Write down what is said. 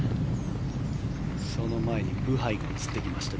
その前にブハイが映ってきました。